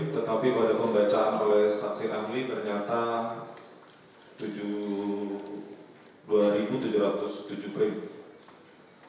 tetapi pada pembacaan oleh saksi ahli ternyata dua tujuh ratus tujuh pri